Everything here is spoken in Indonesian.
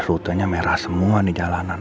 rutenya merah semua nih jalanan